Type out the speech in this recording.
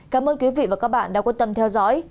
cảm ơn quý vị và các bạn đã quan tâm theo dõi